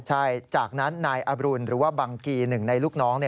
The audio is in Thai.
ใช่จากนั้นนายอบรุณหรือว่าบังกีหนึ่งในลูกน้อง